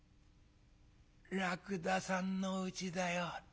らくださんのうちだよ。